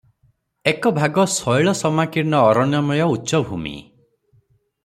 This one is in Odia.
ଏକ ଭାଗ ଶୈଳସମାକୀର୍ଣ୍ଣ ଅରଣ୍ୟମୟ ଉଚ୍ଚଭୂମି ।